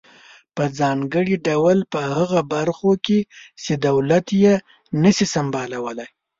په ځانګړي ډول په هغه برخو کې چې دولت یې نشي سمبالولای.